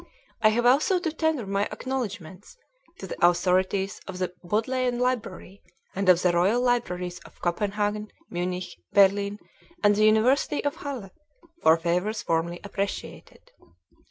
I have also to tender my acknowledgements to the authorities of the Bodleian Library and of the Royal Libraries of Copenhagen, Munich, Berlin and the University of Halle, for favors warmly appreciated.